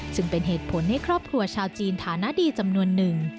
ซึ่งเป็นเหตุผลให้ครอบครัวชาวจีนฐานะดีจำนวนหนึ่ง